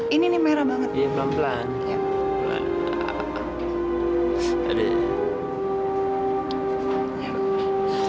kenapa kamu biarkan rumah clamps